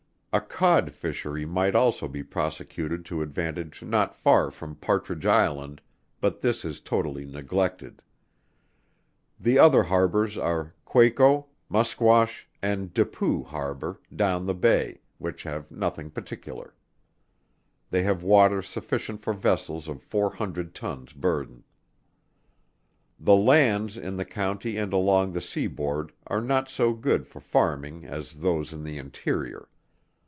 A Cod fishery might also be prosecuted to advantage not far from Partridge Island, but this is totally neglected. The other harbors are Quaco, Musquash, and Dippoo harbor, down the Bay, which have nothing particular. They have water sufficient for vessels of four hundred tons burthen. The lands, in the county and along the sea board are not so good for farming as those in the interior.